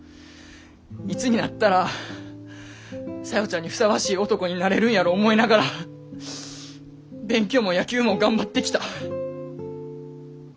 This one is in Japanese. いつになったら小夜ちゃんにふさわしい男になれるんやろ思いながら勉強も野球も頑張ってきた。